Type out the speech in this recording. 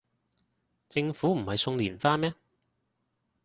政府唔係送連花咩